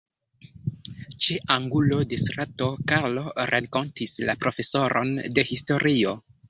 Ĉe angulo de strato Karlo renkontis la profesoron de historio.